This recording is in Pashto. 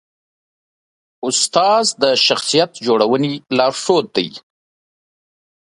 استاد د شخصیت جوړونې لارښود دی.